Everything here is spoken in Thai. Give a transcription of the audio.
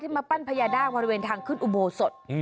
มาปั้นพญานาคบริเวณทางขึ้นอุโบสถ